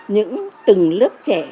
những từng lớp trẻ